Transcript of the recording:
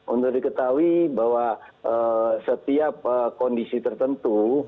untuk diketahui bahwa setiap kondisi tertentu